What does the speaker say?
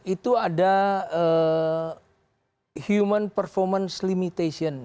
itu ada human performance limitation